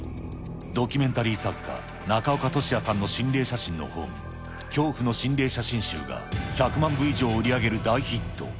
ドキュメンタリー作家、中岡俊哉さんの心霊写真の本、恐怖の心霊写真集が１００万部以上売り上げる大ヒット。